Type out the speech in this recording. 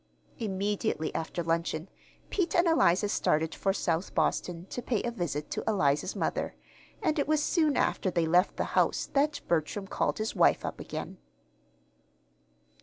Immediately after luncheon Pete and Eliza started for South Boston to pay a visit to Eliza's mother, and it was soon after they left the house that Bertram called his wife up again.